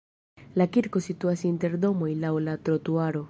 La kirko situas inter domoj laŭ la trotuaro.